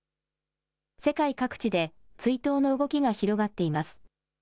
世界各地で追悼の動きが広がっています。